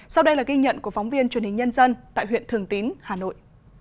sau đây là ghi nhận của phóng viên truyền hình nhân dân tại huyện thường tín hà nội